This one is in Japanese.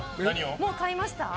もう買いました？